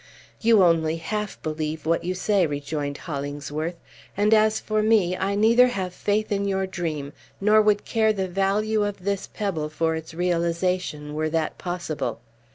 "You only half believe what you say," rejoined Hollingsworth; "and as for me, I neither have faith in your dream, nor would care the value of this pebble for its realization, were that possible.